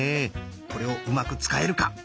これをうまく使えるか？